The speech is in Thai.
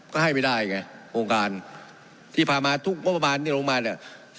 ก็ให้ไม่ได้ไงโครงการที่พามาทุกประมาณนี้ลงมาเนี่ย